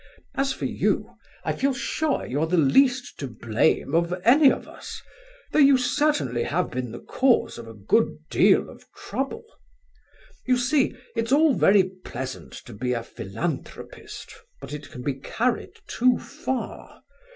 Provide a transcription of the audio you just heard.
As for you, I feel sure you are the least to blame of any of us, though you certainly have been the cause of a good deal of trouble. You see, it's all very pleasant to be a philanthropist; but it can be carried too far.